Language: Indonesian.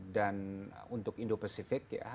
dan untuk indo pesitif